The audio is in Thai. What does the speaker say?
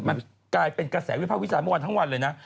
มันกลายเป็นกระแสวิภาพวิจารณ์เมื่อวานทั้งวันเลยนะ